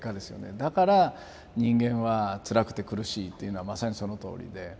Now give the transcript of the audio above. だから人間はつらくて苦しいっていうのはまさにそのとおりで。